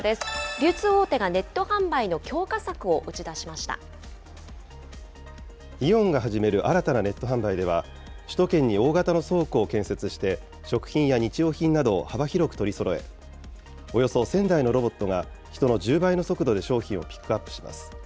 流通大手がネット販売の強化策をイオンが始める新たなネット販売では、首都圏に大型の倉庫を建設して、食品や日用品などを幅広く取りそろえ、およそ１０００台のロボットが人の１０倍の速度で商品をピックアップします。